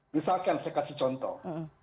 misalkan saya kasih contoh